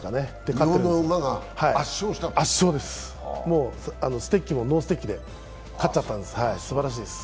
圧勝ですステッキもノーステッキで勝っちゃったのですばらしいです。